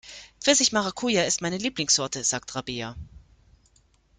Pfirsich-Maracuja ist meine Lieblingssorte, sagt Rabea.